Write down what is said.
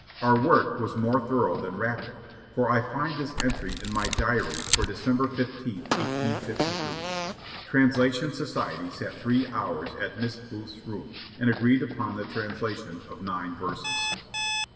Our work was more thorough than rapid, for I find this entry in my diary for December 15, 1853: 'Translation Society sat three hours at Miss Booth's room, and agreed upon the translation of nine verses.'